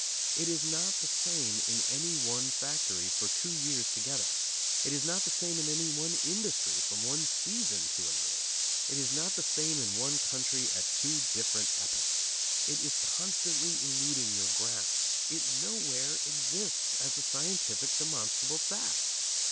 It is not the same in any one factory for two years together. It is not the same in one industry from one season to another. It is not the same in one country at two different epochs. It is constantly eluding your grasp. It nowhere exists, as a scientific, demonstrable fact.